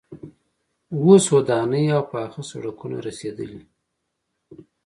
اوس ودانۍ او پاخه سړکونه رسیدلي.